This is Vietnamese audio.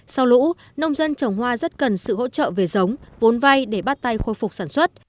sau lũ nông dân trồng hoa rất cần sự hỗ trợ về giống vốn vay để bắt tay khôi phục sản xuất